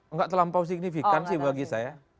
nggak terlampau signifikan sih bagi saya